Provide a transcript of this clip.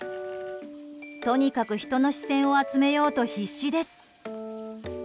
とにかく人の視線を集めようと必死です。